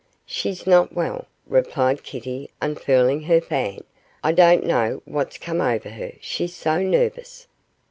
'She's not well,' replied Kitty, unfurling her fan; 'I don't know what's come over her, she's so nervous.